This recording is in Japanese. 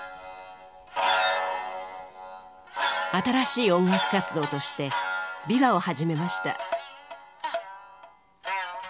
新しい音楽活動として琵琶を始めました。